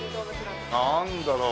なんだろう？